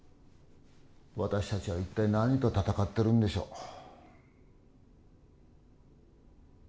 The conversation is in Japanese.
私たちは一体何と戦ってるんでしょう。